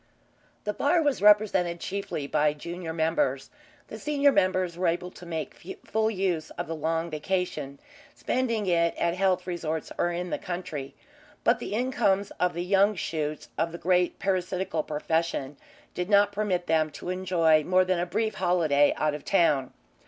The bar was represented chiefly by junior members. The senior members were able to make full use of the long vacation, spending it at health resorts or in the country, but the incomes of the young shoots of the great parasitical profession did not permit them to enjoy more than a brief holiday out of town.